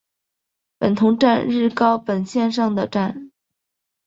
本桐站日高本线上的站。